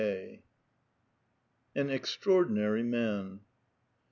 XXIX. AN EXTRAORDINARY MAN.